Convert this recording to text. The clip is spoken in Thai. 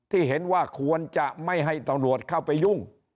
ที่เห็นว่าควรจะไม่ให้ตำรวจเข้าไปยุ่ง